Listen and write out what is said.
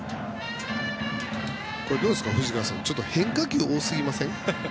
どうですか、藤川さん変化球が多すぎませんか。